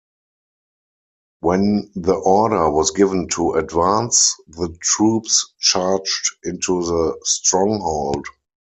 When the order was given to advance, the troops charged into the Stronghold.